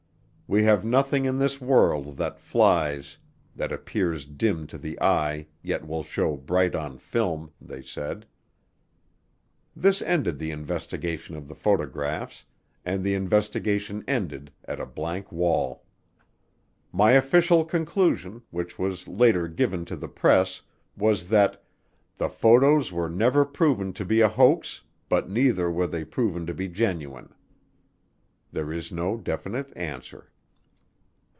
We have nothing in this world that flies that appears dim to the eye yet will show bright on film, they said. This ended the investigation of the photographs, and the investigation ended at a blank wall. My official conclusion, which was later given to the press, was that "The photos were never proven to be a hoax but neither were they proven to be genuine." There is no definite answer.